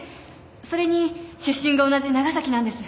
それに出身が同じ長崎なんです。